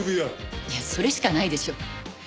いやそれしかないでしょ。